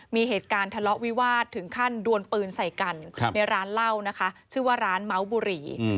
มีเหตุการณ์ทะเลาะวิวาสถึงขั้นดวนปืนใส่กันในร้านเหล้านะคะชื่อว่าร้านเมาส์บุรี